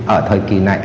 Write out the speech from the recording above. ở thời kỳ này